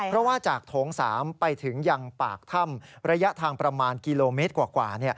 เพราะว่าจากโถง๓ไปถึงยังปากถ้ำระยะทางประมาณกิโลเมตรกว่า